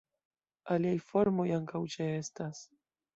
Aliaj formoj ankaŭ ĉeestas.